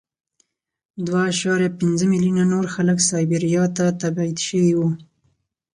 دوه اعشاریه پنځه میلیونه نور خلک سایبریا ته تبعید شوي وو